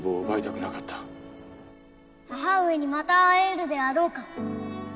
母上にまた会えるであろうか？